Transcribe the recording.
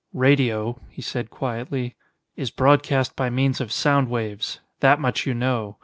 "Radio," he said quietly, "is broadcast by means of sound waves. That much you know.